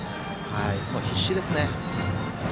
必死ですね。